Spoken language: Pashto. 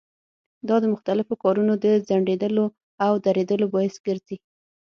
دا د مختلفو کارونو د ځنډېدلو او درېدلو باعث ګرځي.